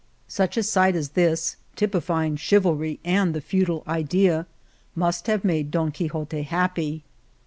Such a sight as this, typifying chivalry and the feudal idea, must have made Don Quixote happy.